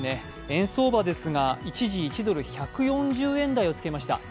円相場ですが一時１ドル＝１４０円台をつけました。